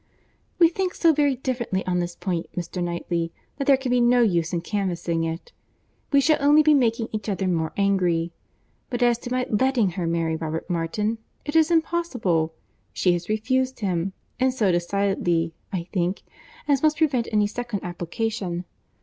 "We think so very differently on this point, Mr. Knightley, that there can be no use in canvassing it. We shall only be making each other more angry. But as to my letting her marry Robert Martin, it is impossible; she has refused him, and so decidedly, I think, as must prevent any second application.